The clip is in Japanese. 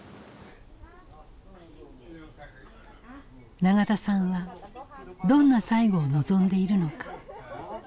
永田さんはどんな最期を望んでいるのか。